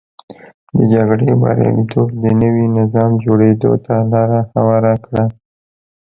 د جګړې بریالیتوب د نوي نظام جوړېدو ته لار هواره کړه.